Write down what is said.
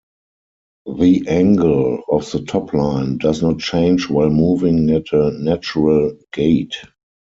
The angle of the topline does not change while moving at a natural gait.